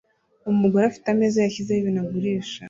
Umugore afite ameza yashizeho ibintu agurisha